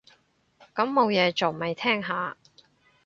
咁冇嘢做，咪聽下